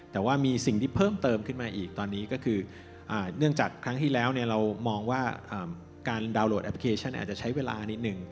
แต่ว่ามีสิ่งที่เพิ่มเติมขึ้นมาอีกตอนนี้ก็คือเนื่องจากครั้งที่แล้วเรามองว่าการดาวน์โหลดแอปพลิเคชันอาจจะใช้เวลานิดหนึ่ง